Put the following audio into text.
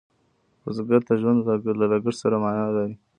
بزګر ته ژوند له کښت سره معنا لري